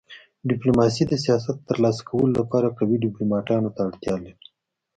ډيپلوماسي د سیاست د تر لاسه کولو لپاره قوي ډيپلوماتانو ته اړتیا لري.